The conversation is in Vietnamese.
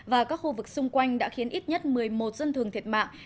và các khu vực xung quanh đã khiến ít nhất một mươi một dân thường thiệt mạng